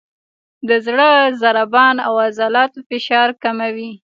د زړه ضربان او عضلاتو فشار کموي،